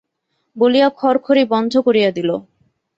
বলিয়া খড়খড়ি বন্ধ করিয়া দিল।